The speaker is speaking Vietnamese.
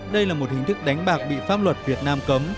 đây là một hình thức đánh bạc bị pháp luật việt nam cấm